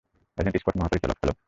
Agent Scott মহাপরিচালক, hello.